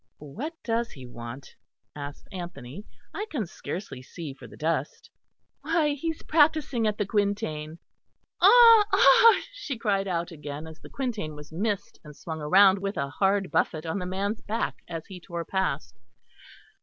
"What does he want?" asked Anthony. "I can scarcely see for the dust." "Why, he's practising at the quintain; ah! ah!" she cried out again, as the quintain was missed and swung round with a hard buffet on the man's back as he tore past.